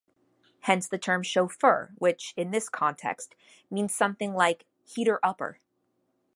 Hence the term "chauffeur" which, in this context, means something like "heater-upper".